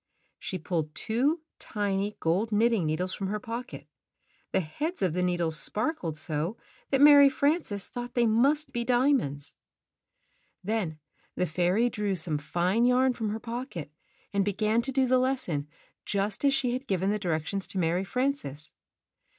She pulled two tiny gold knitting needles from her pocket. The heads of the needles sparkled so that Mary Frances thought they must be diamonds. Then the fairy drew some fine yarn from her pocket and began to do the lesson just as she had given the directions to Mary Frances.